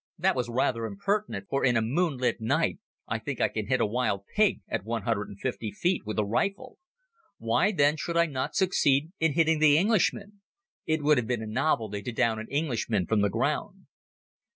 That was rather impertinent for in a moonlit night I think I can hit a wild pig at one hundred and fifty feet with a rifle. Why then should I not succeed in hitting the Englishman? It would have been a novelty to down an English airman from the ground.